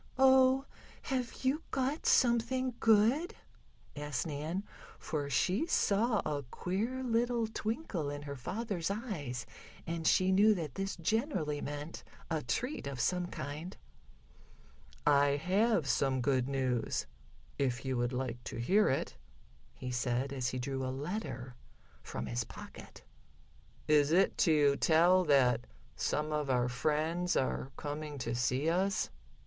"Oh, have you got something good?" asked Nan, for she saw a queer little twinkle in her father's eyes, and she knew that this generally meant a treat of some kind. "I have some good news, if you would like to hear it," he said, as he drew a letter from his pocket. "Is it to tell that some of our friends are coming to see us?"